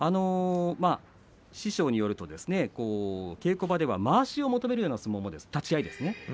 師匠によると稽古場ではまわしを求めるような相撲立ち合いですね。